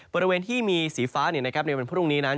บริเวณที่มีสีฟ้าในวันพรุ่งนี้นั้น